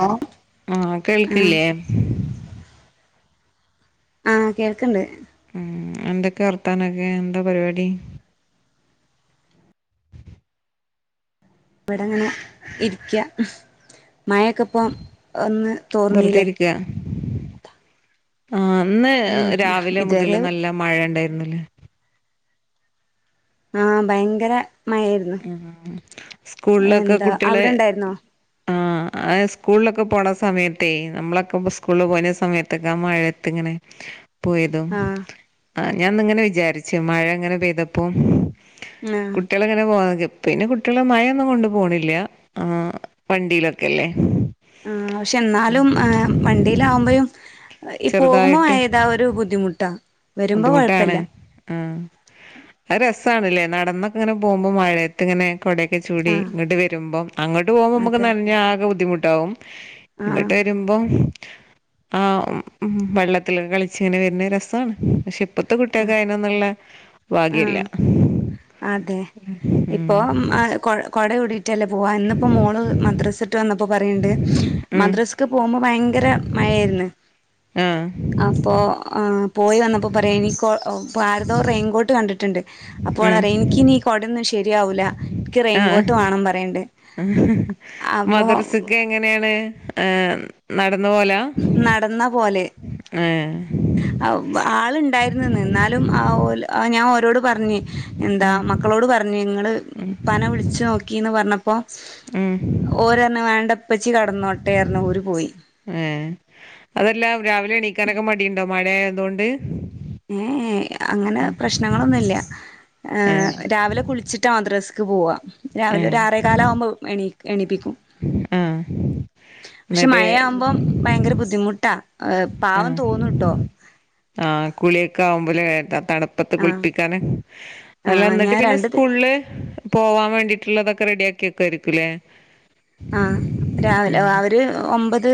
Hello ആഹ് കേൾക്കില്ലേ ആഹ് കേൾക്ക്ണ്ട് ഉം എന്തൊക്കെ വർത്താനം ഒക്കെ എന്താ പരിപാടി ഇവിടെ ഇങ്ങനെ ഇരിക്കാ മഴ യൊക്കെ ഇപ്പം ഒന്ന് വെറുതെ തോർന്നീല്ലേ ഇരിക്ക ആഹ് ഇന്ന് ഉം രാവിലെ ഇതുവരെ മുതല് നല്ല മഴ ഉണ്ടായിരുന്നില്ലേ ആഹ് ഭയങ്കര മഴ ഉം സ്കൂളില് ഒക്കെ കുട്ടികളെ അവിടെ ഇണ്ടായിരുന്നോ ആഹ് ആഹ് സ്കൂളിലൊക്കെ പോണ സമയത്തേ നമ്മളൊക്കെ ഇപ്പ സ്കൂളിൽ പോയിര്ന്നെ സമയത്തൊക്കെ ആ മഴയത്ത് ഇങ്ങനെ പോയതും ആഹ് ആഹ് ഞാൻ ഇന്ന് ഇങ്ങനെ വിചാരിച്ച് മഴ ഇങ്ങനെ പെയ്തപ്പം ആഹ് കുട്ടികളൊക്കെ [unintelligible] പിന്നെ കുട്ടികള് മഴയൊന്നും കൊണ്ട് പോണില്ല ആഹ് വണ്ടിയിലൊക്കെ അല്ലേ ആഹ് പക്ഷെ എന്നാലും ഏഹ് വണ്ടിയില് ആവുമ്പഴും ഈ പോകുമ്പോ മഴ ചെറുതായിട്ട് പെയ്താ ഒരു ബുദ്ധിമുട്ടാ വരുമ്പോ ബുദ്ധിമുട്ടാണ് കൊഴപ്പല്ല ആഹ് അത് രസാണ് അല്ലേ നടന്നൊക്കെ ഇങ്ങനെ പോകുമ്പം മഴയത്ത് ഇങ്ങനെ കുട ഒക്കെ ചൂടി ആഹ് ഇങ്ങട്ട് വരുമ്പം അങ്ങോട്ട് പോകുമ്പോൾ നമുക്ക് അതെ നനഞ്ഞ് ആകെ ബുദ്ധിമുട്ടാവും ഇങ്ങട്ട് ആഹ് വരുമ്പം ആഹ് വെള്ളത്തിലൊക്കെ കളിച്ച് ഇങ്ങനെ വരുന്നെ രസാണ് പക്ഷെ ഇപ്പത്തെ കുട്ടികൾക്ക് ആഹ് അതിനൊന്നു ഉള്ളെ ആഹ് അതെ ഇപ്പൊ ഉം അ കൊ കൊട ചൂടി റ്റല്ലേ പോവ ഇന്ന് ഇപ്പം മോള് മദ്രസ് ട്ട് വന്നപ്പോ പറയുന്നുണ്ട് ഉം മദ്രസക്ക് പോകുമ്പം ഭയങ്കര മഴ ആയിരുന്ന് ആഹ് അപ്പോ ആഹ് പോയി വന്നപ്പോ പറയാ ഇനി കോ ഓ ഇപ്പ ആരതോ റെയിൻകോട്ട് കണ്ടിട്ടുണ്ട് അപ്പോ ഓള് ഉം പറയുവാ ഇൻക്ക് ഇനി ഈ കൊടയൊന്നും ശരിയാവൂല എനിക്ക് ആഹ് റെയിൻകോട്ട് വേണം പറയണ്ട് അപ്പൊ മദർസ്ക്ക് എങ്ങനെയാണ് ആഹ് നടന്ന് പോവലാ നടന്നാ പോവല് ഏ അത് ആള് ഉണ്ടായിരുന്ന് ഇന്ന് എന്നാലും ആഹ് ഓല് ആഹ് ഞാൻ ഓരോട് പറഞ്ഞ് എന്താ ഉം മക്കളോട് പറ ഞ്ഞ് ഇങ്ങള് ഇപ്പാനെ വിളിച്ച് നോക്കി എന്ന് പറഞ്ഞ പ്പം ഉം അവര് പറഞ്ഞു വേണ്ട ഇപ്പച്ചി കടന്നോട്ടെ പറഞ്ഞു അവര് പോയി ഏഹ് അതല്ല രാവിലെ എണീക്കാന് ഒക്കെ മടി ഉണ്ടോ മഴ ആയത് കൊണ്ട് ഏഹ് എഹ്‌ അങ്ങനെ പ്രശ്നങ്ങള് ഒന്നു ഇല്ല ഏ ഏഹ് രാവിലെ കുളി ച്ചിട്ടാ മദ്രസ്ക്ക് പോവാ ഏ രാവിലെ ഒരു ആറേ കാൽ ആകുമ്പോ എണീ എണിപ്പിക്കും ആ പക്ഷെ എന്നിട്ട് മഴ ആകുമ്പം ഭയങ്കര ബുദ്ധിമുട്ടാ ഏഹ് പാവം ആഹ് തോന്നൂട്ടോ ആഹ് കുളി ഒക്കെ ആവുമ്പോ ലേ ത തണ് പ്പത്ത് ആഹ് കുളിപ്പിക്കാന് അല്ല ആഹ് ഇന്നട്ട് ഞാൻ പിന്നെ രണ്ട് ദി സ്കൂളില് പോവാൻ വേണ്ടിട്ടുള്ള ഇതൊക്കെ റെഡിയാക്കി വെക്കു ആയിരിക്കൂല്ലേ ആഹ് രാവിലെ ആഹ് ഒരു ഒമ്പത്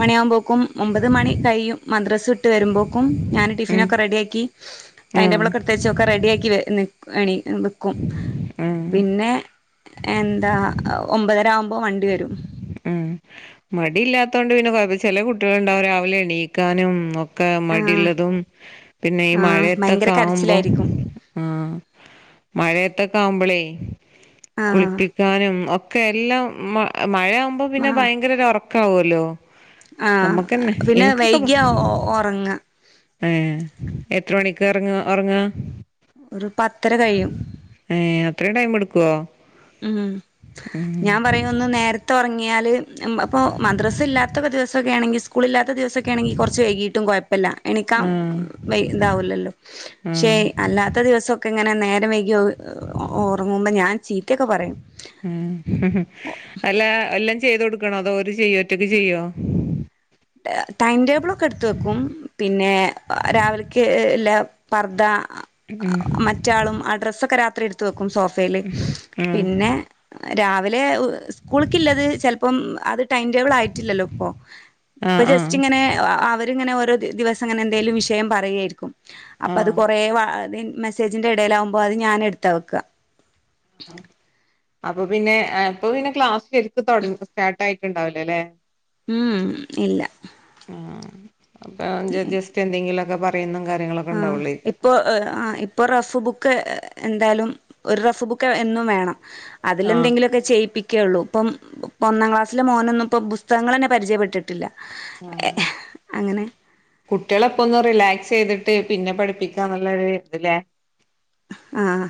മണി ആകുമ്പോക്കും ഒമ്പത് മണി കയ്യും മദ്രസ് ഇട്ട് വരുമ്പോൾക്കും ഞാൻ ഉം ടിഫിനൊക്കെ റെഡിയാക്കി ആ ടൈം ടേബിൾ ഒക്കെ എടുത്ത് വച്ച് ഒക്കേ റെഡിയാക്കി നിക്കും ആ പിന്നെ എന്താ ഒമ്പതര ആവുമ്പോ വണ്ടി വരും ഉം മടി ഇല്ലാത്ത കൊണ്ട് പിന്നെ ചെല കുട്ടികളുണ്ടാവും രാവിലെ എണീക്കാനും ഓക്കേ ഈ ആഹ് മടിള്ളതും പിന്നെ ഈ ആഹ് ഭയങ്കര മഴയത്തൊക്കെ ആവുമ്പോ കരച്ചിലായിരിക്കും ആ മഴയത്തൊക്കെ ആവുമ്പോളേ ആഹ് കുളിപ്പിക്കാനും ഒക്കെ എല്ലാം മ മഴയാവുമ്പോ പിന്നെ ഭയങ്കര ഉറക്ക ഉറക്കാവുല്ലോ ആ പിന്നെ വൈകിയ ഉറങ്ങ ഏ എത്ര മണിക്ക് ഇറങ്ങ ഉറങ്ങ ഒരു പത്തര കഴിയും ഏ അത്രയും ടൈം എടുക്കുക്കൊ ഉം ഞാൻ പറയ ഒന്ന് നേരത്തെ ഉറങ്ങിയാല് അപ്പോൾ മദ്രസ ഇല്ലാത്തെ ദിവസമൊക്കെ ആണെങ്കിൽ സ്കൂൾ ഇല്ലാത്ത ദിവസൊക്കെ ആണെങ്കിൽ കുറച്ച് വൈകിട്ടും കുഴപ്പമില്ല എണിക്കാൻ ആഹ് ഇതാവുലല്ലോ പക്ഷെ ആഹ് അല്ലാത്ത ദിവസഒക്കെ ഇങ്ങനെ നേരം വൈകി ഉറങ്ങുമ്പോ ഞാൻ ചി ചീത്ത ഒക്കെ പറയും ഉം അല്ല എല്ലാം ചെയ്ത് കൊടുക്കണോ അതോ ഓര് ചെയ്യോ ഒറ്റക്ക് ചെയ്യോ ടൈംടേബിൾ ഒക്കെ എടുത്ത് വെക്കും പിന്നെ രാവിലെക്ക് എല്ലാ പർദ ഉം മറ്റാളും ആ ഡ്രസ്സൊക്കെ രാത്രി എടുത്ത് വെക്കും സോഫയില് ഉം ഉം പിന്നെ രാവിലെ സ്കൂൾക്കില്ലത് ചിലപ്പം അത് ടൈംടേബിൾ ആയിട്ടില്ലല്ലോ ഇപ്പൊ ഇപ്പ ആഹ് ആഹ് ജസ്റ്റ് ഇങ്ങനെ അവരിങ്ങനെ ഓരോ ദിവസം അങ്ങനെ എന്തെലും വിഷയം പറയുകയായിരിക്കും അപ്പൊ അത് ആഹ് കൊറെ മെസ്സേജിന്റെ ഇടൽ ആകുമ്പോ അത് ഞാൻ എടുത്ത് വെക്കാ അപ്പൊ പിന്നെ ഇപ്പൊ പിന്നെ ക്ലാസ്സ് ശരിക്ക് സ്റ്റാർട്ട് ആയിട്ട് ഉണ്ടാവൂലല്ലേ ഉം ഇല്ല ആ അപ്പൊ ജസ്റ്റ് എന്തെങ്കിലു ഒക്കെ പറയുന്ന കാര്യങ്ങളൊക്കെ ആഹ് ഉണ്ടാവുള്ളേക്കാ ഇപ്പൊ ആ ഇപ്പൊ റഫ് ബുക്ക് എന്തായാലും ഒരു റഫ് ബുക്ക് എന്നും വേണം ആഹ് അതിലെന്തെിലൊക്കെ ചെയ്യിപ്പിക്കുകയുള്ളൂ ഇപ്പം ഇപ്പ ഒന്നാം ക്ലാസ്സില മോന് ഒന്നും ഇപ്പം പുസ്തക ങ്ങൾ തന്നെ പരിയപ്പെട്ടിട്ട് ഇല്ല. പരിജയപെട്ടിട്ടില്ല അങ്ങനെ കുട്ടികൾ ഒക്കെ ഒന്ന് റിലാക്സ് ചെയ്തിട്ട് പിന്നെ പഠിപ്പിക്കാന്നുള്ളൊരു ഇത് ല്ലേ ആഹ്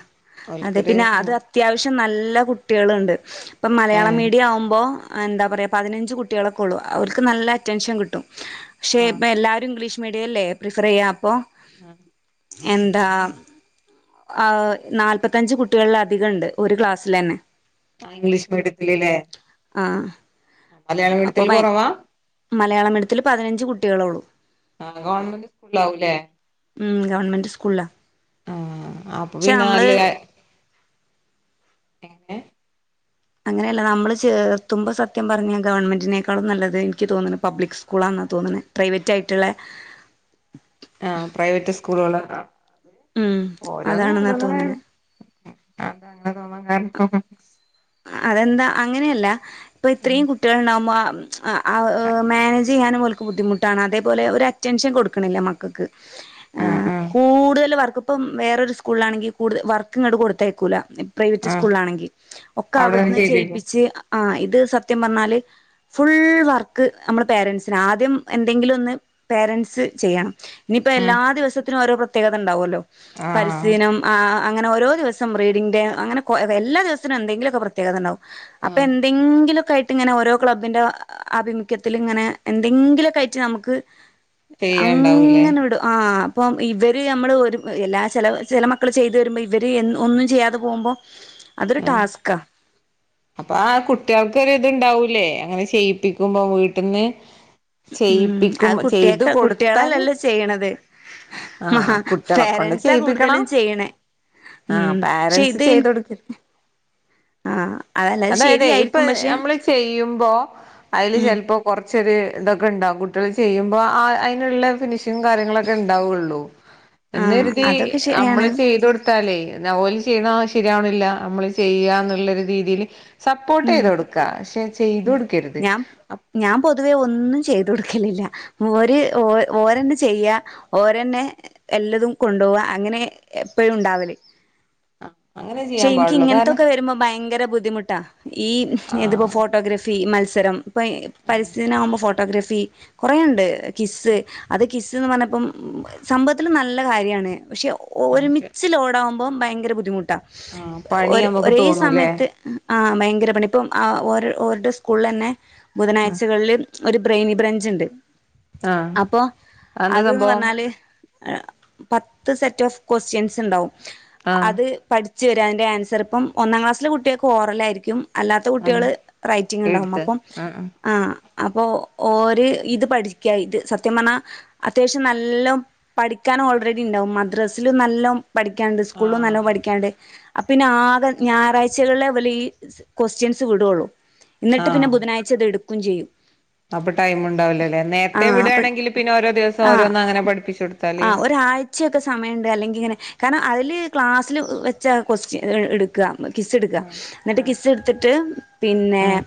അതെ ഓൽക്കൊരു പിന്നെ സമ അത് അത്യാവശ്യം നല്ല കുട്ടികളുണ്ട് ഇപ്പൊ മലയാള ഏഹ് മീഡിയം ആവുമ്പോ എന്താ പറയുക പതിനഞ്ച് കുട്ടികളൊക്കെ ഉള്ളൂ അവർക്ക് നല്ല അറ്റൻഷൻ കിട്ടും പക്ഷെ ആഹ് ഇപ്പ എല്ലാവാരും ഇംഗ്ലീഷ് മീഡിയംല്ലേ പ്രിഫർ ചെയ്യാ അപ്പൊ ആഹ് എന്താ ആ നാല്പത്തഞ്ച് കുട്ടികളിലധികം ഉണ്ട് ഒരു ക്ലാസ്സിൽ തന്നെ ആ ഇംഗ്ലീഷ് മീഡിയത്തില് ല്ലേ ആഹ് മലയാളം അപ്പൊ മീഡിയത്തിൽ ഭയ കുറവാ മലയാളം മീഡിയത്തിൽ പതിനഞ്ച് കുട്ടികളുള്ളു ആ ഗവൺമെന്റ് സ്കൂളിലാവൂലേ ഉം ഗവൺമെൻ്റ് സ്കൂളിലാ ആ അപ്പ പക്ഷെ പിന്നെ നമ്മള് നല്ല എങ്ങനെ അങ്ങനെയല്ല നമ്മള് ചേർത്തുമ്പോ സത്യം പറഞ്ഞ ഗവൺമെന്റിനേക്കാളും നല്ലത് എനിക്ക് തോന്നുന്നു പബ്ലിക് സ്കൂളാന്നാണ് തോന്നുന്നത് പ്രൈവറ്റ് ആയിട്ടുള്ള ആ പ്രൈവറ്റ് സ്കൂളുക ഉം ഓരോന്ന ഓരോന്ന അതാണെന്നാ തോന്നുന്നെ അതെന്താ അങ്ങനെ തോന്നാൻ കാരണം അതെന്താ അങ്ങനെയല്ല ഇപ്പൊ ഉം ഇത്രയും കുട്ടികൾ ഉണ്ടാകുമ്പോ മാനേജ് ചെയ്യാനും ബുദ്ധിമുട്ടാണ് അതേപോലെ ഒരു അറ്റൻഷൻ കൊടുക്കുന്നില്ല മക്കൾക്ക് ആഹ് ആഹ് കൂടുതൽ വർക്ക് ഇപ്പം വേറൊരു സ്കൂളിലാണെങ്കിൽ കൂടുതൽ വർക്കങ്ങട് കൊടുത്തേക്കൂല പ്രൈവറ്റ് ആഹ് സ്കൂളിലാണെങ്കിൽ ഒക്കെ അവിടെന്ന് അവിടുന്ന് ചെയ്യിപ്പിക്കും ചെയ്യിപ്പിച്ച് ആ ഇത് സത്യം പറഞ്ഞാല് ഫുൾ വർക്ക് നമ്മുടെ പേരൻസിന് ആദ്യം എന്തെങ്കിലും ഒന്ന് പേരൻസ് ചെയ്യണം ഇനിയിപ്പോ എല്ലാ ഉം ദിവസത്തിനും ഓരോ പ്രത്യേകത ഉണ്ടാവുമല്ലോ പരിസ്ഥീതി ആഹ് ദിനം ആ അങ്ങനെ ഓരോ ദിവസം റീഡിങ് ഡേ അങ്ങെ എല്ല ദിവസത്തിനും എന്തങ്കിലുമൊക്ക പ്രേത്യേകത ഉണ്ടാവും അപ്പൊ ആഹ് എന്തെങ്കിലുലൊക്കെ ആയിട്ട് ഇങ്ങനെ ഓരോ ക്ലബ്ബിന്റെ ആഭിമുഖ്യത്തിൽ ഇങ്ങനെ എന്തെങ്കിലുമൊക്കെയിട്ട് നമുക്ക് ചെയ്യാണ്ടാവൂലേ അങ്ങനെ വിടും ആ അപ്പം ഇവർ നമ്മൾ ഒരു എല്ലാ ചില ചില മക്കൾ ചെയ്ത് വരുമ്പോൾ ഇവർ ഒന്നും ചെയ്യാതെ പോകുമ്പോൾ അതൊരു ആഹ് ടാസ്ക്കാ അപ്പൊ ആ കുട്ടികൾക്കൊരിതുണ്ടാവൂലേ അങ്ങനെ ചെയ്യിപ്പിക്കുമ്പോ വീട്ടിൽന്ന് ഉം ചെയ്യിപ്പിക്കും അത് ചെയ്തു കുട്ടിയക്ക് കൊടുത്താല് കുട്ടികളല്ലല്ലോ ചെയ്യണത് ആ ആഹ് കുട്ടികളെ കൊണ്ട് പേരന്സാ കൂടുതലും ചെയ്യിപ്പിക്കണം ചെയ്യണേ ആഹ് ഉം പക്ഷേ ഇത് ആഹ് അതല്ല അത് അതയാതെ ഇപ്പൊ ശരിയായിരിക്കും പക്ഷെ നമ്മള് ചെയ്യുമ്പോ അതില് ഉം ചിലപ്പോ കുറച്ചൊരു ഇതൊക്കെ ഉണ്ടാവും കുട്ടികൾ ചെയ്യുമ്പോൾ അതിനുള്ള ഫിനിഷിംഗും കാര്യങ്ങളൊക്കെ ഉണ്ടാവുകയുള്ളൂ എന്ന് ആഹ് കരുതി അതൊക്കെ ശരിയാണ് നമ്മള് ചെയ്ത കൊടു ത്താലേ ഓല് ചെയ്യണ ശരിയാണില്ല നമ്മള് ചെയ്യാന്നുള്ളരു രീതിയില് സപ്പോർട്ട് ഉം ചെയ്ത് കൊടുക്കാ പക്ഷെ ചെയ്തു കൊടുക്കരുത് ഞാൻ ഞാൻ പൊതുവെ ഒന്നും ചെയ്തു കൊടുക്കലില്ലഓര് ഓരന്നെ ചെയ്യാ ഓരന്നെ എല്ലതും കൊണ്ടോവ അങ്ങനെ എപ്പഴും ഉണ്ടാവല് അങ്ങനെ പക്ഷെ ചെയ്യാൻ എനിക്ക് പാടുള്ളൂ കാരണം ഇങ്ങനത്തൊക്കെ വരുമ്പോ ഭയങ്കര ബുദ്ധിമുട്ടാ ഈ ആ ഇതിപ്പോ ഫോട്ടോഗ്രഫി മത്സരം ഇപ്പം പരിസ്ഥിതി ദിനാകുമ്പോൾ ഫോട്ടോഗ്രാഫി കൊറെയണ്ട് ക്വിസ് അത് ക്വിസ് പറഞ്ഞപ്പം സംഭവത്തിൽ നല്ല കാര്യമാണ് പക്ഷെ ഒരുമിച്ഛ് ലോഡ് ആകുമ്പോം ഭയങ്കര ബുദ്ധിമുട്ട് ആ ഒ പണി നമുക്ക് ഒരേ തോന്നൂല്ലേ സമയത്ത് ആ ഭയങ്കര പണി ഇപ്പം ഓ ഓരുടെ സ്കൂളിൽ തന്നെ ബുധനാഴ്ചകളിൽ ഒരു ബ്രെയിനി ബ്രഞ്ച് ഉണ്ട് ആ അപ്പോൾ അതെന്താ അത് ന്ന് സംഭവം പറഞ്ഞാല് പത്ത് സെറ്റ് ഓഫ് ക്വസ്റ്റ്യൻസ് ഉണ്ടാവും ആ അത് പഠിച്ചുവരാ അതിൻന്റെ ആൻസർ ഇപ്പം ഒന്നാം ക്ലാസ്സില കുട്ടികൾക്ക് ഓറലായിരിക്കും അല്ലാത്ത ആ കുട്ടികള് റൈറ്റിംങ് ഉണ്ടാവും അപ്പം ആ അപ്പൊ ഓര് ഇത് പഠിക്ക ഇത് സത്യപറഞ്ഞാ അത്യാവശ്യം നല്ല പഠിക്കാനും ഓൾറെഡി ഉണ്ടാവും മദ്രാസയിലും നല്ല പഠിക്കാനുണ്ട് സ്കൂളും നല്ലോ ആ പഠിക്കാനുണ്ട് അ പിന്നെ ആകെ ഞായറാഴ്ചകളെ ഇവര് ഈ ക്വസ്റ്റ്യൻസ് വിടുുള്ളൂ എന്നിട്ട് പിന്നെ ആഹ് ബുധനാഴ്ച അത് എടുക്കയും ചെയ്യും അപ്പൊ ടൈം ഇണ്ടാവില്ലല്ലേ ആ നേരത്തെ അപ്പ വിടാണെങ്കിൽ പിന്നെ ഓരോ ദിവസം ആ ഓരോന്ന് അങ്ങനെ പഠിപ്പിച്ച് കൊടുത്താല് ഉച്ചൊക്കെ സമയമുണ്ട് അല്ലെങ്കിൽ ഇങ്ങനെ കാരണം അതിൽ ക്ലാസ്സില് വെച്ചാ ക്വസ്റ്റൻ എടുക്കുക കിസ്സ് ഇട്ക്ക ആഹ് ന്നിട്ട് ആഹ് കിസ്സ് ഇട്ത്ത്ട്ട് പിന്നെ ആഹ്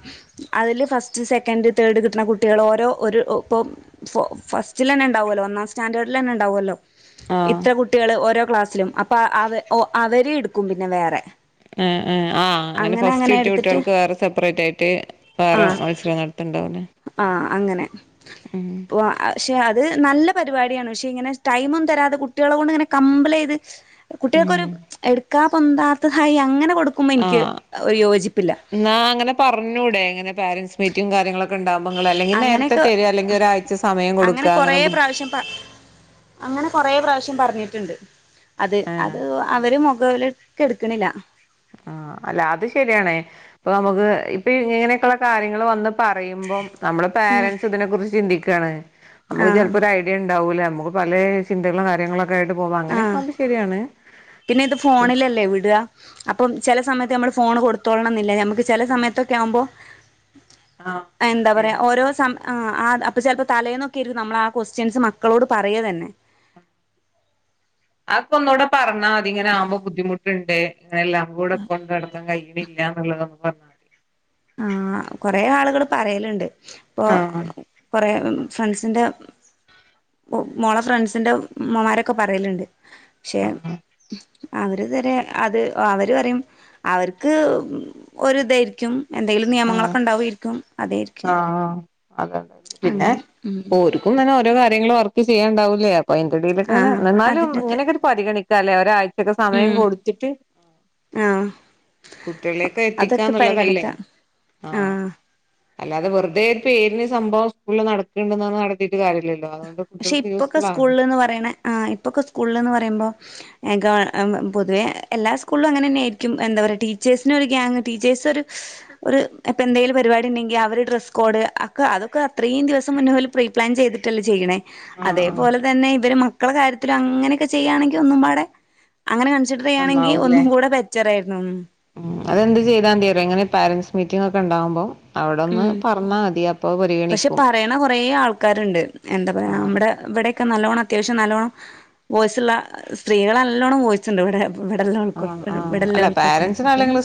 അതില് ഫസ്റ്റ് സെക്കൻഡ് തേർഡ് കിട്ട്ണ കുട്ടികളെ ഓരോ ഒരു ഇപ്പം ഫ ഫസ്റ്റിലന്നെ ഇണ്ടാവോല്ലോ ഒന്നാം സ്റ്റൻഡേർഡിലന്നെ ഇണ്ടാവോല്ലോ ആഹ് ഇത്ര കുട്ടികള് ഓരോ ക്ലാസ്സിലും അപ്പൊ അവ അവര് ഇട്ക്കും പിന്നെ വേറെ ആഹ് ആഹ് അങ്ങനെ ഫസ്റ്റ് കിട്ടിയ കുട്ടിയാൾക്ക് വേറെ സെപ്പറേറ്റ് ആയിട്ട് വേറെ ആ മത്സരം നടത്ത്ണ്ണ്ടാവില്ലെ ആഹ് അങ്ങനെ ഉം വക്ഷെ അത് നല്ല പരിപാടിയാണ് വക്ഷെ ഇങ്ങനെ ടൈമൊന്നും തരാതെ കുട്ടികളെ കൊണ്ട് ഇങ്ങനെ കമ്പല് യിത് കുട്ടികൾക്കൊരു ഉം എടുക്കാ പൊന്താത്തതായി അങ്ങനെ കൊടുക്കുമ്പോ ഇനിക്ക് ഒരു യോജിപ്പില്ല ഇന്നാ അങ്ങനെ പറഞ്ഞൂടെങ്ങനെ പാരൻറ്സ് മീറ്റ റ്റും കാര്യങ്ങളൊക്കെ ഇണ്ടാവുമ്പോൾ അല്ലെങ്കിൽ നേരത്തെ അങ്ങനെയൊക്കെ തരാ അല്ലെങ്കി ഒരാഴ്ച സമയം കൊടുക്ക അങ്ങനെ കൊറേ അങ്ങെനെ ബു അങ്ങനെ കൊറേ പ്രാവശ്യം പറഞ്ഞിട്ട്ണ്ട് അത് അത് ആഹ് അവര് മുഖവിലക്ക് എടുക്ക്ണില്ല ആഹ് അല്ല അത് ശരിയാണ് ഇപ്പൊ നമുക്ക് ഇപ്പൊ ഇങ്ങനെയൊക്കെയുള്ള കാര്യങ്ങള് വന്ന് പറയുമ്പം നമ്മളെ ഉം പാരൻറ്സ് ഇതിനെ കുറിച്ച് ചിന്തിക്കാണ് നമുക്ക് ആഹ് ചെലപ്പോ ഒരഐഡിയ ഇണ്ടാവൂല നമുക്ക് പല ചിന്തകളും കാര്യങ്ങളൊക്കെ ആയിട്ട് പോവും ആഹ് അങ്ങനെയൊക്കെയാകുബോ ശരിയാണ് പിന്നെ ഇത് ഫോണിലല്ലേ വിട അപ്പം ചെല സമയത്ത് നമ്മൾ ഫോൺ കൊടുത്തോളണംന്നില്ല നമക്ക് ചെല ആ സമയത്തൊക്കെ ആവുമ്പോ ആ എന്താ ശരിയാ പറയാ ഓരോ ആ ആ അപ്പൊ ചെലപ്പോ തലേന്നൊക്കെയിരിക്കും നമ്മൾ ആഹ് കൊസ്റ്റ്യൻസ് മക്കളോട് പറയ തന്നെ അതക്ക ഒന്നുകൂടെ പറഞ്ഞാ മതി ഇങ്ങനാവുമ്പോ ബുദ്ധിമുട്ട്ണ്ട് ഇങ്ങനെല്ലാം കൂടെ കൊണ്ട് നടക്കാൻ കയ്യു ല എന്ന്ള്ളത് പറഞ്ഞ ആഹ് കൊറേ ആളുകൾ പറയലണ്ട് ഇപ്പൊ ആ കുറെ ഫ്രണ്ട്സിന്റെ മോളെ ഫ്രണ്ട്സിന്റെ ഉമ്മമാരൊക്കെ പറയല്ണ്ട് ക്ഷെ ആ അവര്തരെ അത് അവര് പറയും അവർക്ക് ഒരിതായിരിക്കും എന്തെങ്കിലും ആ നിയമങ്ങളൊക്കെ ഇണ്ടാവേര്ക്കും അതൊരിക്കും ആഹ് അതെണ്ടായിരുന്നു പിന്നെ അങ്ങനെ ഓര്ക്കും തന്നെ ഓരോ കാര്യങ്ങങ്ങള് വർക്ക് ചെയ്യാണ്ടാവൂല്ലേ അപ്പൊ അയ്ന്റെടയിലൊക്കെ ആ ഇങ്ങനെ ഇന്നാലും അതിന്റെ ഇങ്ങനെയൊക്കെ ഒരു പരിഗണിക്കാം ല്ലേ ഒരാഴ്ച്ചക്കൊകെ സമയം ഉം കൊടുത്തിട്ട് ആ കുട്ടികളെയൊക്കെ അതൊക്കെ എത്തിക്കാന്നുള്ളതല്ലേ പരിഗണിക്കാം ആഹ് ആ അല്ലാതെ വെറ്തെ ഒരു പേരിന് സംഭവം സ്കൂളിൽ നടക്കണ്ടന്ന് നടത്തീട്ട് കാര്യല്ലല്ലോ അതുകൊണ്ട് പക്ഷെ കുട്ടികൾക്ക് ഇപ്പൊക്കെ യൂസ്ഫുൾ ആണ് സ്കൂള്ന്ന് പറയണ ആ് ഇപ്പൊക്കെ സ്കൂള്ന്ന് പറയുമ്പോ വ പൊതുവെ എല്ലാ സ്കൂളിലും അങ്ങനെന്നെയായിയിരിക്കും എന്താ പറയുക ടീച്ചേഴ്സിനൊ ഒരു ഗിയാങ്ങ് ടീച്ചേഴ്സൊരു ഒരു ഇപ്പൊ എന്തെങ്കിലും പരിപാടി ഇണ്ടെങ്കിൽ അവര് ഡ്രസ് കോഡ് അക ഒക്കെ അതൊക്കെ അത്രയും ദിവസം മുന്നെ പ്രീ പ്ലാൻ ചെയ്ത് ചെയ്യണേ ആഹ് ആഹ് അതേപോലെ തന്നെ ഇവര് മക്കളെ കാര്യത്തിലും അങ്ങനെയൊക്കെ ചെയ്യയാണെങ്കിൽ ഒന്നും പാടെ അങ്ങനെ കൺസിഡർ ചെയ്യാണെങ്കിൽ നന്നാവൂല്ലേ ഒന്നും കൂടെ ബെറ്ററായിരുന്നു ഉം ഉം അതെന്ത് ചെയ്താ മതി അറിയോ ഇങ്ങനെ പാരൻസ് മീറ്റിംഗ് ഒക്കെ ഇണ്ടാവുമ്പോ ഉം പക്ഷെ പരിഗണിക്കും പറയണ കൊറെ ആൾക്കാര്ണ്ട് എന്താ പറയാ ആഹ് നമ്മടെ ഇവിടെയൊക്കെ നല്ലോണം അത്യാവശ്യം നല്ലോണ്ണം വോയ്സ്ള്ള സ്ത്രീകളെ നല്ലോണം വിടെ ആഹ് ആഹ് അല്ല വിടലോള്കൊകെ അപ്പൊ പാരൻറ്സിനാണെങ്കിൽ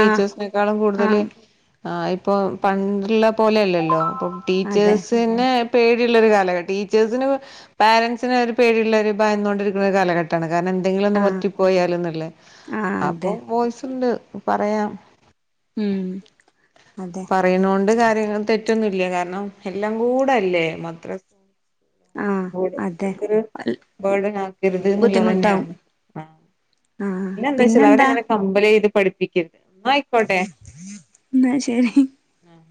ആഹ് ക്കാളും കൂടുതൽ ആഹ് ആഹ് ഇപ്പൊ പണ്ടുള്ള പോലെല്ലല്ലോ അപ്പൊ അതെ ടീച്ചേഴ്സിനെ പേടിയുള്ളൊരു കാല ടീച്ചേഴ്സിനെ പാരൻസിന് ഒരു പേടിയുള്ള ഒരു ഭയന്നൊണ്ടരിക്കുന്ന ഒരു കാലഘട്ടമാണ് കാരണം എന്തെങ്കിലും- ആഹ് തെറ്റി പോയാലൊന്നുള്ളെ ആഹ് അപ്പൊ അതെ വോയിസ്‌സുണ്ട് പറയാം ഉം അതെ പറയുന്നോണ്ട് കാര്യങ്ങൾ തെറ്റി- മറ്റൊന്നുവല്ല കാരണം എല്ലാം കൂടെ അല്ലേ മാത്ര- ആഹ് അതെ ട്ടപേർ [unintelligible] ഡന ആക്കരുത് ബുദ്ധിമുട്ടാവും എന്നുള്ളത്തന്നെയാണ് ആ ആഹ് പിന്നെ എന്താ വെച്ചാല് പിന്നെന്താ അവരെങ്ങനെ കമ്പല് ചെയ്ത് പഠിപ്പിക്കരുത് ആയിക്കോട്ടെ എന്നാ ശരി ആഹ്